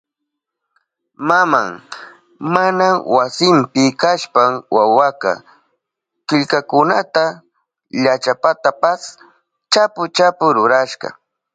Maman mana wasinpi kashpan wawaka killkakunata llachapatapas chapu chapu rurashka.